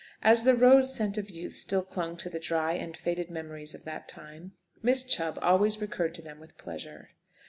As the rose scent of youth still clung to the dry and faded memories of that time, Miss Chubb always recurred to them with pleasure.